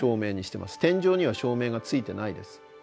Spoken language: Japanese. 天井には照明がついてないです。